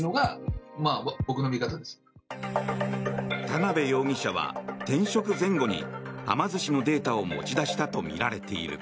田邊容疑者は、転職前後にはま寿司のデータを持ち出したとみられている。